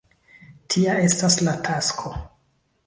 Tia estas la tasko.